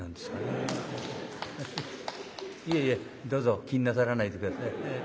いえいえどうぞ気になさらないで下さい。